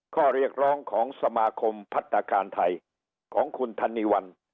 ข้อเรียกร้องของสมาคมพัฒนาการไทยของคุณธนีวัน